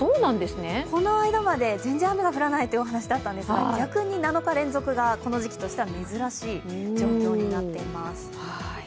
この間まで全然雨が降らないという話だったんですが逆に７日連続がこの時期としては珍しい状況になっています。